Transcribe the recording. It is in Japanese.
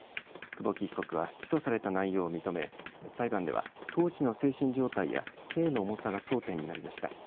久保木被告は起訴された内容を認め裁判では当時の精神状態や刑の重さが争点になりました。